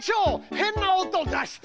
変な音出して。